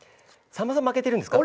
さんまさん負けてるんですか？